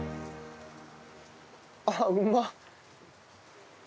ああうまっ！